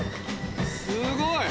すごい！